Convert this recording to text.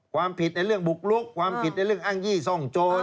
ความผิดในเรื่องบุกลุกความผิดในเรื่องอ้างยี่ซ่องโจร